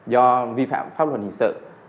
do vi phạm pháp luật hình sự